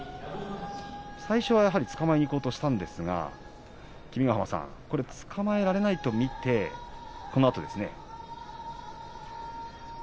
最初はつかまえにいこうとしたんですが、君ヶ濱さんこれはつかまえられないと見てこのあとですね。